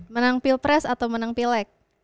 menang pilpres atau menang pileg